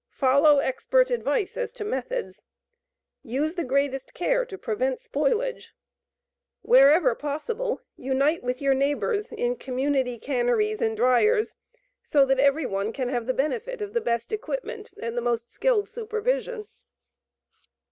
FOLLOW EXPERT ADVICE AS TO METHODS. USE THE GREATEST CARE TO PREVENT SPOILAGE. WHEREVER POSSIBLE UNITE WITH YOUR NEIGHBORS IN COMMUNITY CANNERIES AND DRYERS SO THAT EVERY ONE CAN HAVE THE BENEFIT OF THE BEST EQUIPMENT AND THE MOST SKILLED SUPERVISION.